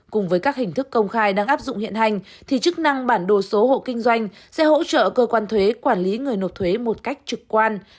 cùng với các hình thức công khai đang áp dụng hiện hành thì chức năng bản đồ số hộ kinh doanh sẽ hỗ trợ cơ quan thuế quản lý người nộp thuế một cách trực quan